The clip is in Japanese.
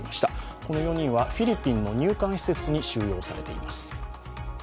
この４人はフィリピンの入管施設に収容されています。